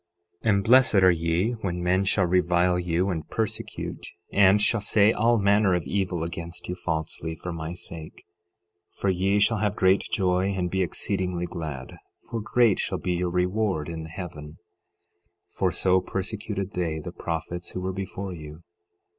12:11 And blessed are ye when men shall revile you and persecute, and shall say all manner of evil against you falsely, for my sake; 12:12 For ye shall have great joy and be exceedingly glad, for great shall be your reward in heaven; for so persecuted they the prophets who were before you.